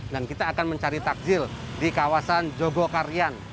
dan kita akan mencari takjil di kawasan jogokaryan